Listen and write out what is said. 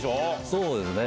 そうですね